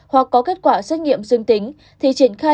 hoặc có kết quả xét nghiệm dương tính